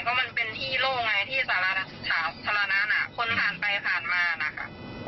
เพราะมันเป็นฮีโร่ไงที่สาระนั้นคนผ่านไปผ่านมานะครับ